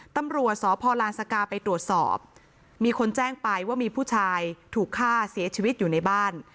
ตำรวจสพลานสกาไปตรวจสอบมีคนแจ้งไปว่ามีผู้ชายถูกฆ่าเสียชีวิตอยู่ในบ้าน